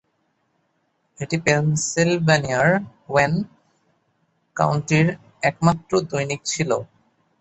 এটি পেনসিলভেনিয়ার ওয়েন কাউন্টির একমাত্র দৈনিক ছিল।